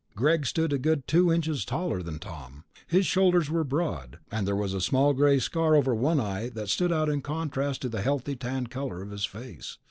Greg stood a good two inches taller than Tom. His shoulders were broad, and there was a small gray scar over one eye that stood out in contrast to the healthy tanned color of his face.